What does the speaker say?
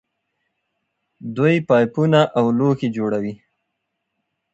دوی پایپونه او لوښي جوړوي.